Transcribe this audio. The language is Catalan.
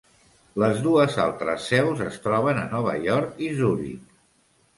Les dues altres seus es troben a Nova York i Zuric.